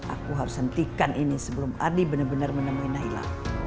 aku harus hentikan ini sebelum ardi bener bener menemuin naila